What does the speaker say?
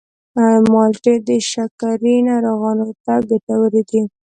مالټې د شکرې ناروغانو ته ګټورې دي.